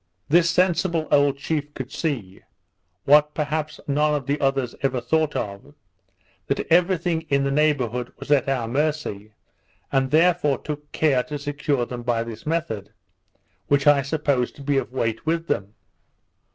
This sensible old chief could see (what perhaps none of the others ever thought of) that every thing in the neighbourhood was at our mercy, and therefore took care to secure them by this method, which I suppose to be of weight with them.